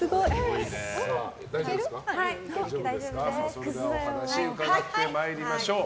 それではお話を伺ってまいりましょう。